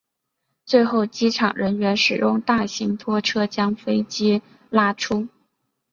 最后机场人员使用大型拖车将飞机拉出。